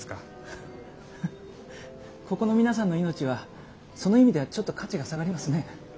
ハハここの皆さんの命はその意味ではちょっと価値が下がりますね。